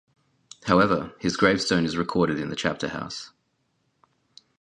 However, his gravestone is recorded in the chapter-house.